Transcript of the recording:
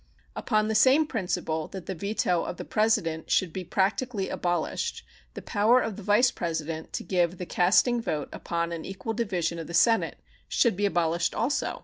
Upon the same principle that the veto of the President should be practically abolished the power of the Vice President to give the casting vote upon an equal division of the Senate should be abolished also.